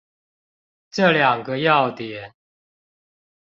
這兩個要點